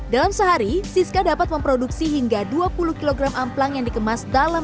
dalam sehari siska dapat memproduksi hingga dua puluh kg amplang yang dikemas dalam